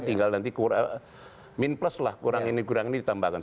tinggal nanti min plus lah kurang ini kurang ini ditambahkan